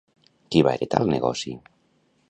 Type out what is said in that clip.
Qui va heretar el negoci?